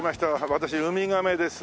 私ウミガメです。